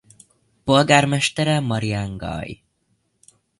Polgármestere Marián Gaj.